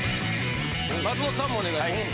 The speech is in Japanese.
松本さんもお願いします。